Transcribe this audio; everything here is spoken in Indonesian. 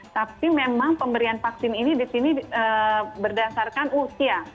tapi memang pemberian vaksin ini di sini berdasarkan usia